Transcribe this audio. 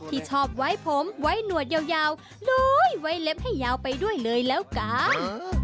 ที่ชอบไว้ผมไว้หนวดยาวโดยไว้เล็บให้ยาวไปด้วยเลยแล้วกัน